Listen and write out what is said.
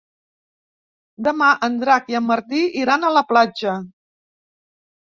Demà en Drac i en Martí iran a la platja.